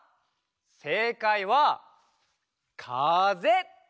せいかいはかぜ。